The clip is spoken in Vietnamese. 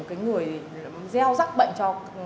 một người gieo rắc bệnh cho